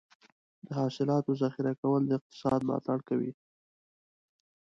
د حاصلاتو ذخیره کول د اقتصاد ملاتړ کوي.